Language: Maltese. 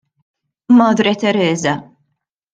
" Madre Tereża "